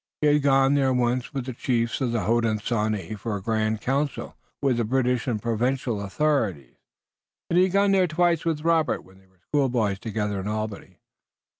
He had gone there once with the chiefs of the Hodenosaunee for a grand council with the British and provincial authorities, and he had gone twice with Robert when they were schoolboys together in Albany.